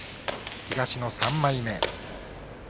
東の３枚目。